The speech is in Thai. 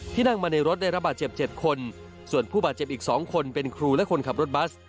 นั่งมาในรถได้ระบาดเจ็บ๗คนส่วนผู้บาดเจ็บอีก๒คนเป็นครูและคนขับรถบัส